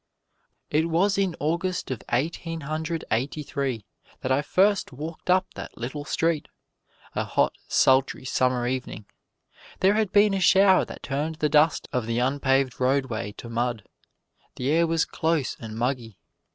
It was in August of Eighteen Hundred Eighty three that I first walked up that little street a hot, sultry Summer evening. There had been a shower that turned the dust of the unpaved roadway to mud. The air was close and muggy.